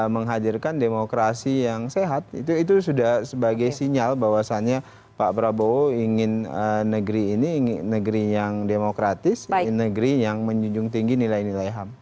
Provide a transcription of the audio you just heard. menghadirkan demokrasi yang sehat itu sudah sebagai sinyal bahwasannya pak prabowo ingin negeri ini negeri yang demokratis negeri yang menjunjung tinggi nilai nilai ham